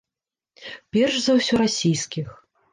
Перш за ўсё расійскіх.